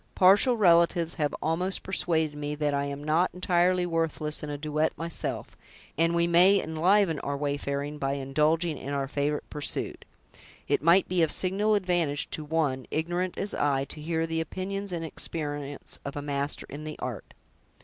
"Partial relatives have almost persuaded me that I am not entirely worthless in a duet myself; and we may enliven our wayfaring by indulging in our favorite pursuit. It might be of signal advantage to one, ignorant as I, to hear the opinions and experience of a master in the art."